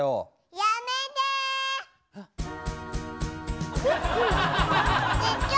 やめてよ！